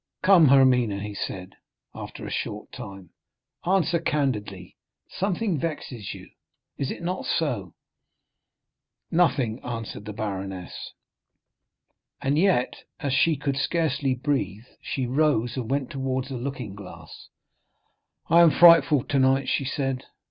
"Come, Hermine," he said, after a short time, "answer candidly,—something vexes you—is it not so?" 30239m "Nothing," answered the baroness. And yet, as she could scarcely breathe, she rose and went towards a looking glass. "I am frightful tonight," she said.